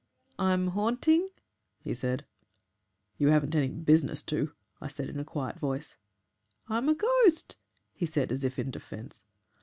'I'm haunting,' he said. "'You haven't any business to,' I said in a quiet voice. "'I'm a ghost,' he said, as if in defence.